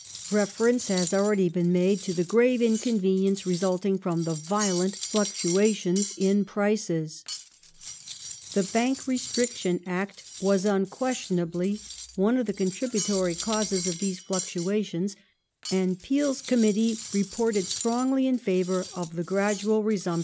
Reference hsis already been made to the grave inconvenience resulting from the violent fluctuations in prices. The Bank Restriction Act was unquestionably one of the con tributory causes of these fluctuations, and Peel's Committee reported strongly in favour of the gradual resumption of cash 1 According to Greville (ii.